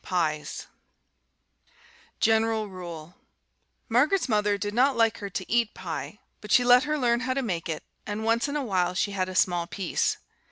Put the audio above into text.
PIES General Rule Margaret's mother did not like her to eat pie, but she let her learn how to make it, and once in awhile she had a small piece.